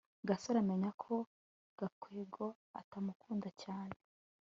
gasore amenye ko gakwego atamukunda cyane